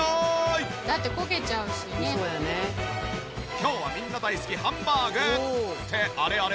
今日はみんな大好きハンバーグ！ってあれあれ？